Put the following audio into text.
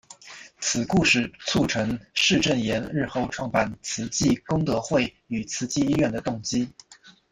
此故事促成释证严日后创办慈济功德会与慈济医院的动机。